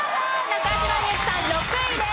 中島みゆきさん６位です。